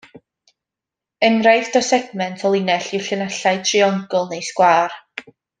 Enghraifft o segment o linell yw llinellau triongl neu sgwâr.